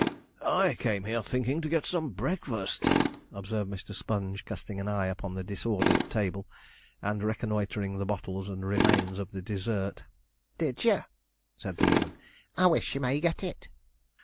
'I came here thinking to get some breakfast,' observed Mr. Sponge, casting an eye upon the disordered table, and reconnoitring the bottles and the remains of the dessert. 'Did you?' said the woman; 'I wish you may get it.'